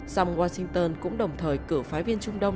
song washington cũng đồng thời cử phái viên trung đông